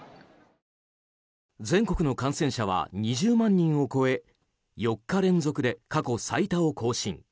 全国の感染者は２０万人を超え４日連続で過去最多を更新。